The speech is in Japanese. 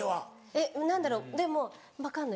えっ何だろうでも分かんない。